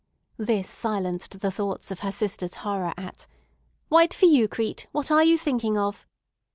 This silenced the thoughts of her sister's horror at "White for you, Crete! What are you thinking of?"